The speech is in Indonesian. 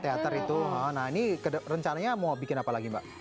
teater itu nah ini rencananya mau bikin apa lagi mbak